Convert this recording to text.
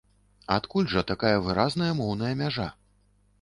Адкуль жа такая выразная моўная мяжа?